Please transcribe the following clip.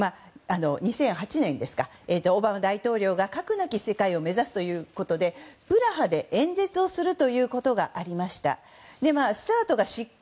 オバマ大統領が核なき世界を目指すということでプラハで演説をすることがありました。